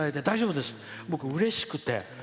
大丈夫ですって僕、うれしくて。